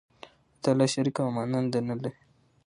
الله تعالی شریک او ماننده نه لری